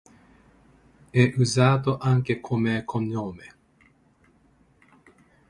È usato anche come cognome.